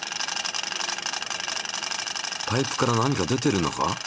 パイプから何か出ているのか？